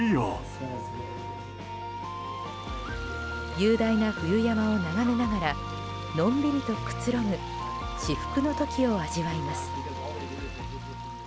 雄大な冬山を眺めながらのんびりとくつろぐ至福の時を味わいます。